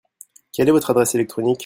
Quel est votre adresse électronique ?